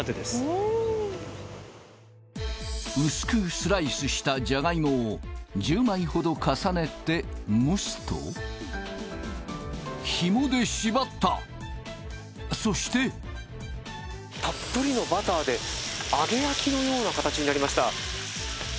うーん薄くスライスしたジャガイモを１０枚ほど重ねて蒸すとひもで縛ったそしてたっぷりのバターで揚げ焼きのような形になりました